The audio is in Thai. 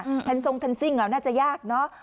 แทนทรงแนนซิ่งอ่ะน่าจะยากเนอะ